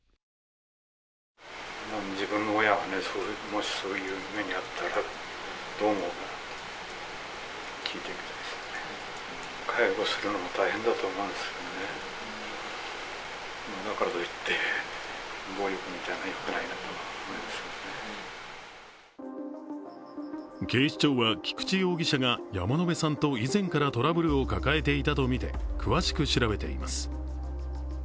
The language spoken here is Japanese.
更に警視庁は菊池容疑者が山野辺さんと以前からトラブルを抱えていたとみて詳しく調べています。